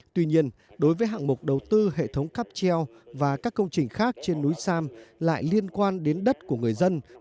tuy nhiên đối với hạng mục đầu tư hệ thống cắp treo và các công trình khác trên núi sam lại liên quan đến đất của người dân